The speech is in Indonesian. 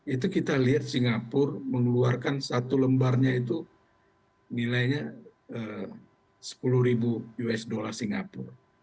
itu kita lihat singapura mengeluarkan satu lembarnya itu nilainya sepuluh ribu usd singapura